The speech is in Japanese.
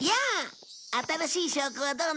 新しい証拠はどうなった？